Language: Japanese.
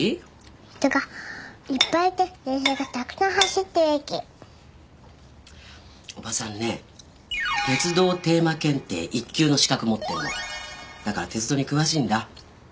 人がいっぱいいて電車がたくさん走ってる駅おはさんね鉄道テーマ検定１級の資格持ってんのだから鉄道に詳しいんだ